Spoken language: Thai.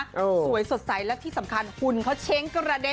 สวยสดใสและที่สำคัญหุ่นเขาเช้งกระเด็น